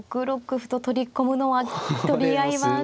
６六歩と取り込むのは取り合いは。